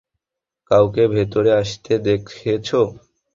কাউকে ভিতরে আসতে দেখেছো?